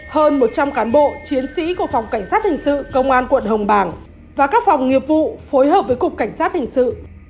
hơn một trăm linh cán bộ chiến sĩ của phòng cảnh sát hình sự công an quận hồng bàng và các phòng nghiệp vụ phối hợp với cục cảnh sát hình sự